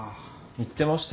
言ってましたよ。